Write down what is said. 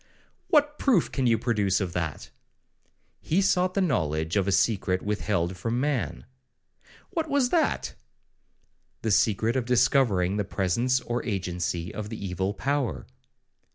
'What proof can you produce of that?'—'He sought the knowledge of a secret withheld from man.' 'What was that?'—'The secret of discovering the presence or agency of the evil power.'